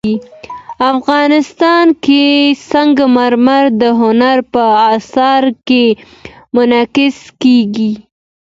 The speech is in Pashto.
افغانستان کې سنگ مرمر د هنر په اثار کې منعکس کېږي.